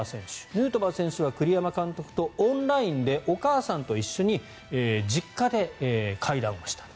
ヌートバー選手は栗山監督とオンラインでお母さんと一緒に実家で会談をしたと。